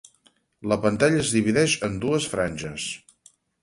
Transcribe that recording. La pantalla es divideix en dues franges.